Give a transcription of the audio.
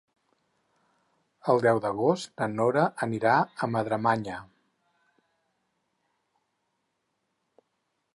El deu d'agost na Nora anirà a Madremanya.